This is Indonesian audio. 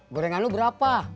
gorengan lo berapa